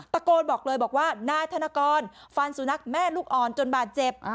ตะโกนบอกเลยบอกว่านายธนกรฟันสุนัขแม่ลูกอ่อนจนบาดเจ็บ